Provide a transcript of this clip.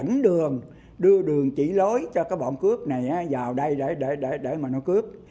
người dẫn đường đưa đường chỉ lối cho cái bọn cướp này vào đây để mà nó cướp